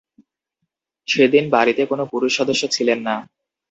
সেদিন বাড়িতে কোনো পুরুষ সদস্য ছিলেন না।